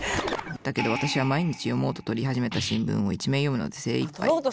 だけど私は毎日読もうと取り始めた新聞を一面読むので精いっぱい。